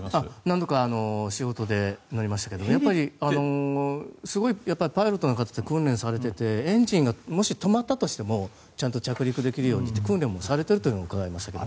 何度か仕事で乗りましたけどパイロットの方って訓練されていてエンジンがもし止まったとしてもちゃんと着陸できるようにって訓練もされているというのを伺いましたけど。